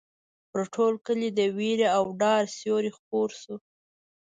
پر ټول کلي د وېرې او ډار سیوری خور شو.